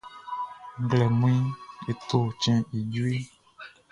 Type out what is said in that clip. Nglɛmunʼn, e to cɛnʼn i jueʼn.